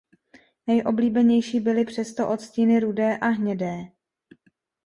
Nejoblíbenější byly přesto odstíny rudé a hnědé.